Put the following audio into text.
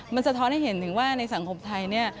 มันสะท้อนให้เห็นถึงว่าในสังคมไทยเนี่ย